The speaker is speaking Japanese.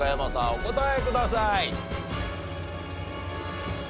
お答えください。